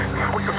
tapi buktinya apa